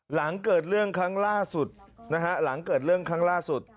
หลังเกิดเรื่องครั้งล่าสุด